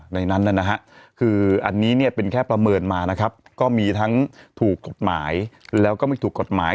ในนั้นนะฮะคืออันนี้เนี่ยเป็นแค่ประเมินมานะครับก็มีทั้งถูกกฎหมายแล้วก็ไม่ถูกกฎหมาย